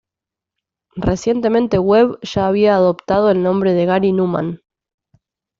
Recientemente Webb ya había adoptado el nombre de Gary Numan.